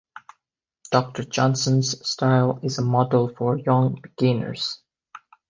Dr Johnson’s style is a model for young beginners.